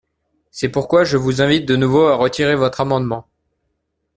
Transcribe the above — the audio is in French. C’est pourquoi je vous invite de nouveau à retirer votre amendement.